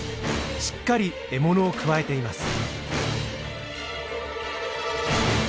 しっかり獲物をくわえています。